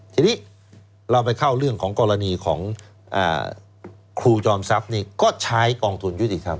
ทีนี้เราไปเข้าเรื่องของกรณีของครูจอมทรัพย์ก็ใช้กองทุนยุติธรรม